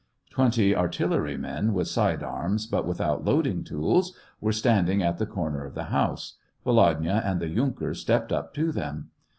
Twenty artillery men, with side arms, but with out loading tools, were standing at the corner of the house. Volodya and the yunker stepped up to them.